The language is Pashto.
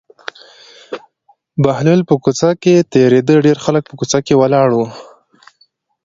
بهلول په کوڅه کې تېرېده ډېر خلک په کوڅه کې ولاړ وو.